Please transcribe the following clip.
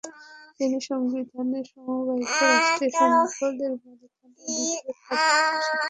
তিনি সংবিধানে সমবায়কে রাষ্ট্রীয় সম্পদের মালিকানার দ্বিতীয় খাত হিসেবে স্বীকৃতি দিয়েছিলেন।